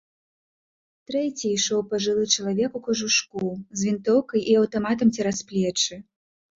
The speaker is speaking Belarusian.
Трэці ішоў пажылы чалавек у кажушку, з вінтоўкай і аўтаматам цераз плечы.